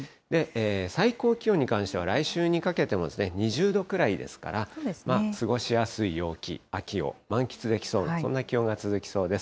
最高気温に関しては、来週にかけても２０度くらいですから、過ごしやすい陽気、秋を満喫できそう、そんな気温が続きそうです。